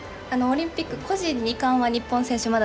オリンピック個人２冠は日本選手